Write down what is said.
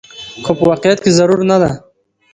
خو په واقعيت کې ضرور نه ده